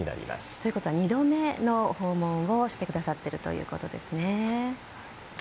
ということは２度目の訪問をしてくださっているということですね。